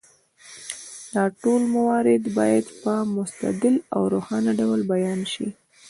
دا ټول موارد باید په مستدل او روښانه ډول بیان شي.